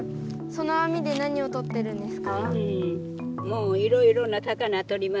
その網で何をとってるんですか？